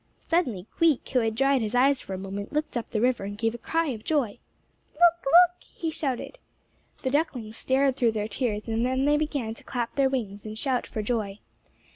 Suddenly Queek, who had dried his eyes for a moment, looked up the river and gave a cry of joy. "Look! Look!" he shouted. The ducklings stared through their tears, and then they began to clap their wings and shout for joy.